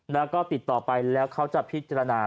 แล้วก็ติดต่อไปแล้วเขาจะพิจารณา